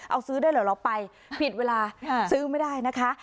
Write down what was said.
เอาซื้อได้เหรอเราไปผิดเวลาซื้อไม่ได้นะคะ